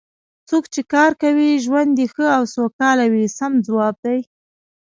څوک چې کار کوي ژوند یې ښه او سوکاله وي سم ځواب دی.